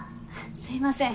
すみません。